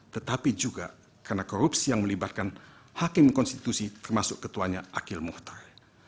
tetapi juga karena korupsi yang melibatkan hakim konstitusi termasuk ketuanya akil muhtar